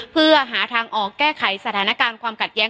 เพื่อหาทางออกแก้ไขสถานการณ์ความขัดแย้ง